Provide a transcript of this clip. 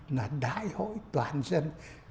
là đại hội toàn dân